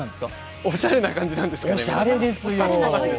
おしゃれな感じなんですかね？